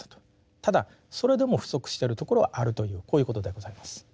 ただそれでも不足してるところはあるというこういうことでございます。